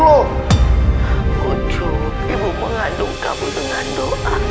untuk ibu mengandung kamu dengan doa